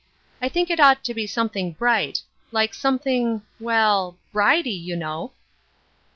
I think it ought to be something bright, like something — well, hridie^ you know."